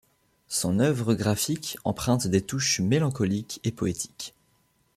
Son œuvre graphique emprunte des touches mélancoliques et poétiques.